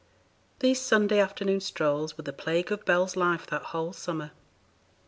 These Sunday afternoon strolls were the plague of Bell's life that whole summer.